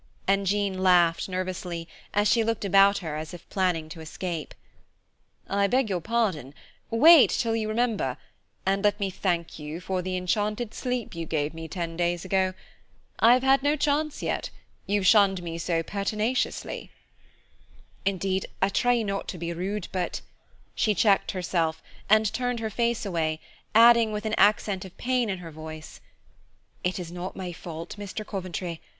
And Jean laughed, nervously, as she looked about her as if planning to escape. "I beg your pardon, wait till you remember, and let me thank you for the enchanted sleep you gave me ten days ago. I've had no chance yet, you've shunned me so pertinaciously." "Indeed I try not to be rude, but " She checked herself, and turned her face away, adding, with an accent of pain in her voice, "It is not my fault, Mr. Coventry.